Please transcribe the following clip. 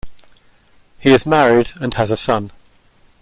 He is married and has a son.